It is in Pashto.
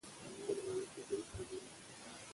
باسواده ښځې د حق دفاع کوي.